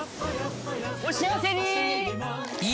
お幸せに！